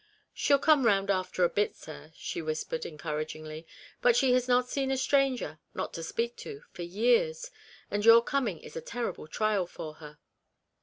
" She'll come round after a bit, sir," she whispered encouragingly ;" but she has not seen a stranger not to speak to for years, and your coming is a terrible trial to her."